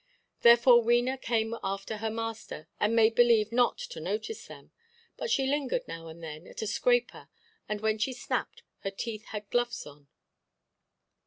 Therefore Wena came after her master, and made believe not to notice them, but she lingered now and then at a scraper, and, when she snapped, her teeth had gloves on.